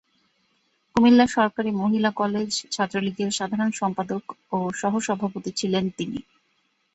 কুমিল্লা সরকারি মহিলা কলেজ ছাত্রলীগের সাধারণ সম্পাদক ও সহসভাপতি ছিলেন তিনি।